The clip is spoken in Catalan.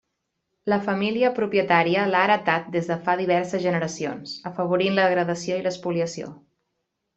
La família propietària l'ha heretat des de fa diverses generacions, afavorint la degradació i l'espoliació.